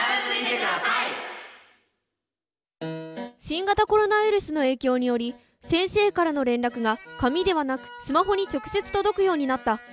新型コロナウイルスの影響により先生からの連絡が紙ではなくスマホに直接届くようになった。